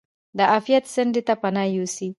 د عافیت څنډې ته پناه یوسي.